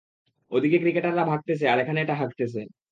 ওদিকে ক্রিকেটাররা ভাগতেছে আর এখানে এটা হাগতেছে।